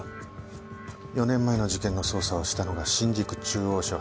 ４年前の事件の捜査をしたのが新宿中央署。